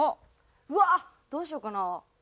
うわーどうしようかな？